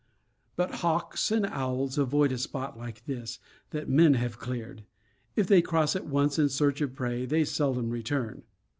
But hawks and owls avoid a spot like this, that men have cleared. If they cross it once in search of prey, they seldom return.